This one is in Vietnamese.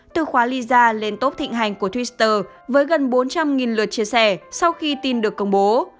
từ khóa lysa lên top thịnh hành của twitter với gần bốn trăm linh lượt chia sẻ sau khi tin được công bố